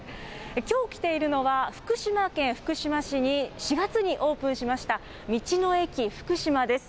きょう来ているのは、福島県福島市に４月にオープンしました、道の駅ふくしまです。